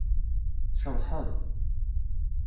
Tceḍḥeḍ.